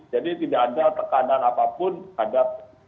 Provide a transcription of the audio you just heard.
jadi tidak ada tekanan apapun hadap